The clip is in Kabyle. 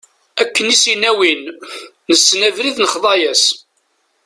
Akken i s-yenna win: nessen abrid nexḍa-as.